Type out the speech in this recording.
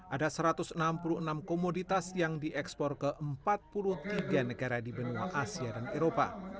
ada satu ratus enam puluh enam komoditas yang diekspor ke empat puluh tiga negara di benua asia dan eropa